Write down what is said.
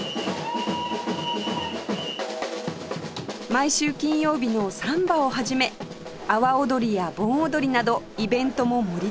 毎週金曜日のサンバをはじめ阿波踊りや盆踊りなどイベントも盛りだくさん！